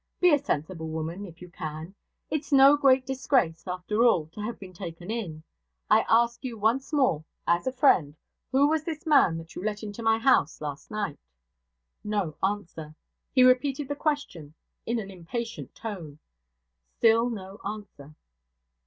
Be a sensible woman, if you can. It's no great disgrace, after all, to have been taken in. I ask you once more as a friend who was this man that you let into my house last night?' No answer. He repeated the question in an impatient tone. Still no answer.